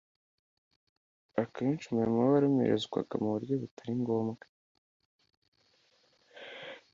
Akenshi umurimo We wararemerezwaga mu buryo butari ngombwa